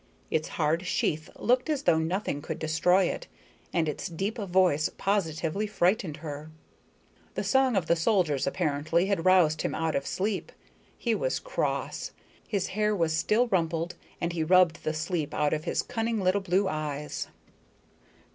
Its hard sheath looked as though nothing could destroy it, and its deep voice positively frightened you. The song of the soldiers, apparently, had roused him out of sleep. He was cross. His hair was still rumpled, and he rubbed the sleep out of his cunning little blue eyes.